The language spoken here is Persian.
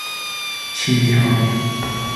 چینیها